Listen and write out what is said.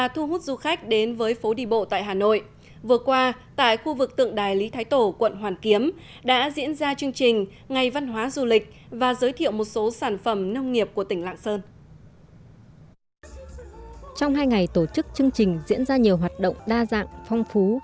trong hai ngày tổ chức chương trình diễn ra nhiều hoạt động đa dạng phong phú